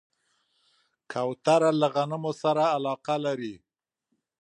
کوتره له غنمو سره علاقه لري.